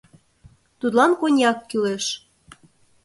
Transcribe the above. Тудлан коньяк кӱлеш.